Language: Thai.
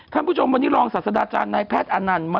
ท่านผู้ชมวันนี้รองศาสดาจารย์นายแพทย์อนันต์